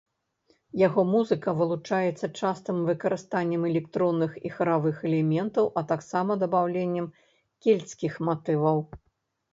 Яго музыка вылучаецца частым выкарыстаннем электронных і харавых элементаў, а таксама дабаўленнем кельцкіх матываў.